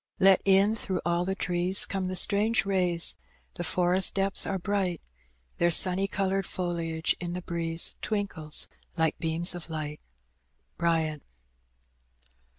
Let in through all the trees Gome the strange rays; the forest depths are bright, Their sunny coloured foliage in the breeze Twinkles like beams of light. Bryant.